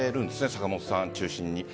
坂本さん中心に。